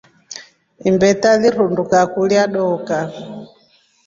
Imbeta lirunduka kulya dooka.